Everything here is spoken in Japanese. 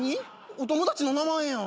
お友達の名前やん